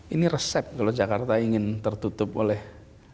ini resep kalau jakarta ingin tertutup oleh air laut